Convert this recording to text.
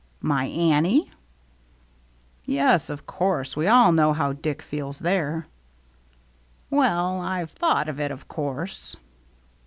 "My Annie?" "Yes. Of course we all know how Dick feels there." 194 THE MERRT ANNE "Well, I've thought of it, of course."